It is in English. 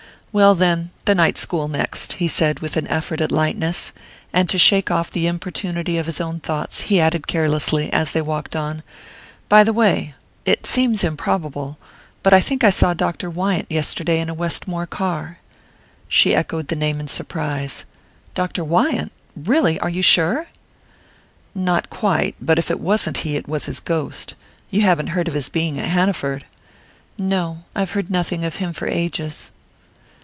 "Well, then the night school next," he said with an effort at lightness; and to shake off the importunity of his own thoughts he added carelessly, as they walked on: "By the way it seems improbable but I think I saw Dr. Wyant yesterday in a Westmore car." She echoed the name in surprise. "Dr. Wyant? Really! Are you sure?" "Not quite; but if it wasn't he it was his ghost. You haven't heard of his being at Hanaford?" "No. I've heard nothing of him for ages."